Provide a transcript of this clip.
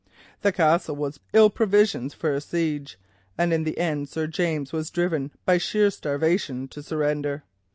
The Castle was but ill provisioned for a siege, and in the end Sir James was driven by sheer starvation to surrender.